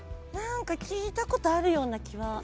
何か聞いたことあるような気は。